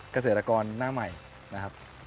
คุณต้องเป็นผู้งาน